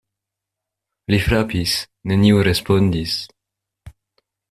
Li frapis: neniu respondis.